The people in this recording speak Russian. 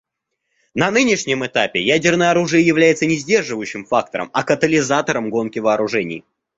На нынешнем этапе ядерное оружие является не сдерживающим фактором, а катализатором гонки вооружений.